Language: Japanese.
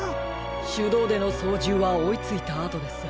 しゅどうでのそうじゅうはおいついたあとです。